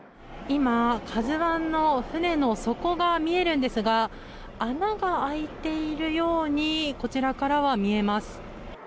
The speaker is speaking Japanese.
今「ＫＡＺＵ１」の船の底が見えるんですが穴が開いているようにこちらからは見えます。